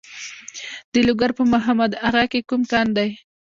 د لوګر په محمد اغه کې کوم کان دی؟